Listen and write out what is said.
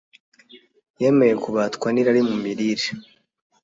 yemeye kubatwa n’irari mu mirire,